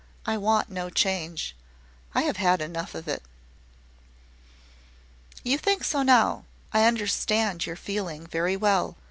I want no change. I have had enough of it." "You think so now. I understand your feeling very well.